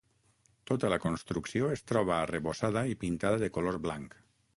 Tota la construcció es troba arrebossada i pintada de color blanc.